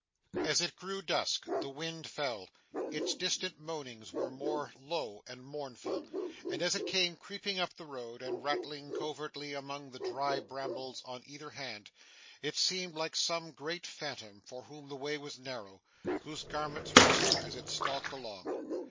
As it grew dusk, the wind fell; its distant moanings were more low and mournful; and, as it came creeping up the road, and rattling covertly among the dry brambles on either hand, it seemed like some great phantom for whom the way was narrow, whose garments rustled as it stalked along.